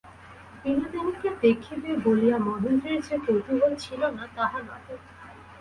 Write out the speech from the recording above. বিনোদিনীকে দেখিবে বলিয়া মহেন্দ্রের যে কৌতূহল ছিল না, তাহা নহে।